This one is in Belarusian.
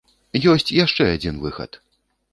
Ёсць яшчэ адзін выхад.